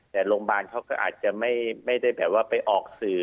แต่โรงพยาบาลเขาก็อาจจะไม่ได้แบบว่าไปออกสื่อ